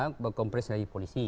presentasi apa komponen dari polisi